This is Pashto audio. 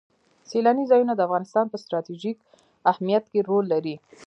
سیلانی ځایونه د افغانستان په ستراتیژیک اهمیت کې رول لري.